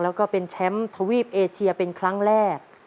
แล้วก็เป็นแชมป์ทวีปเอเชียเป็นครั้งแรก